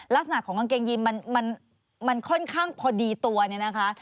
ลักษณะของกางเกงยีนมันค่อนข้างพอดีตัวเนี่ยนะคะ